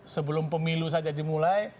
sebelum pemilu saja dimulai